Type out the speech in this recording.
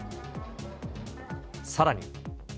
さらに。